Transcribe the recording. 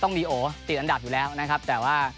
ต้องมีโอติดอันดับอยู่แล้วนะครับแต่ว่า